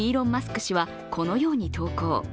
氏はこのように投稿。